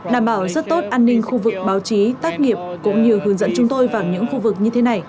đảm bảo rất tốt an ninh khu vực báo chí tác nghiệp cũng như hướng dẫn chúng tôi vào những khu vực như thế này